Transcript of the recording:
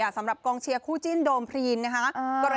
สำหรับกองเชียร์คู่จิ้นโดมพรีนนะคะ